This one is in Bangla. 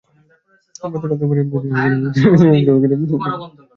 গতকাল দুপুরে লোকজন তাঁকে গুলিস্তানে বঙ্গভবনের সামনে অচেতন অবস্থায় পড়ে থাকতে দেখেন।